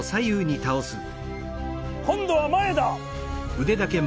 こんどはまえだ。